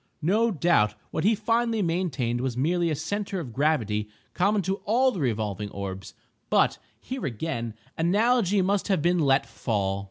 No doubt what he finally maintained was merely a centre of gravity common to all the revolving orbs—but here again analogy must have been let fall.